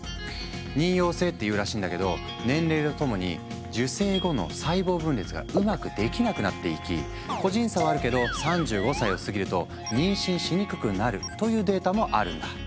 妊よう性っていうらしいんだけど年齢とともに受精後の細胞分裂がうまくできなくなっていき個人差はあるけど３５歳を過ぎると妊娠しにくくなるというデータもあるんだ。